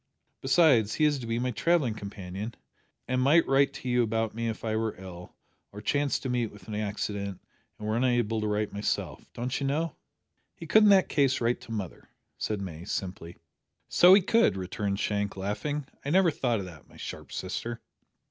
Besides, he is to be my travelling companion, and might write to you about me if I were ill, or chanced to meet with an accident and were unable to write myself don't you know?" "He could in that case write to mother," said May, simply. "So he could!" returned Shank, laughing. "I never thought o' that, my sharp sister."